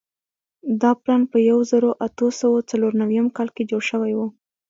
دا پلان په یوه زرو اتو سوو څلور نوېم کال کې جوړ شوی وو.